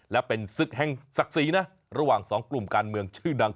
และเป็นศึกแห่งศักดิ์ศรีนะระหว่างสองกลุ่มการเมืองชื่อดัง